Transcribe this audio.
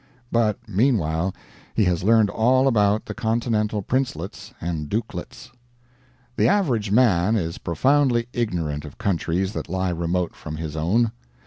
But meanwhile he has learned all about the continental princelets and dukelets. The average man is profoundly ignorant of countries that lie remote from his own.